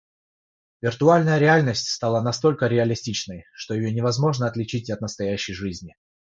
Виртуальная реальность стала настолько реалистичной, что ее невозможно отличить от настоящей жизни.